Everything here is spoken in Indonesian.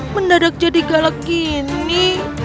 mendadak jadi galak begini